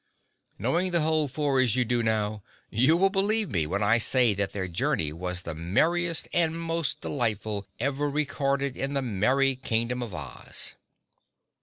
Knowing the whole four as you now do, you will believe me when I say that their journey was the merriest and most delightful ever recorded in the merry Kingdom of Oz.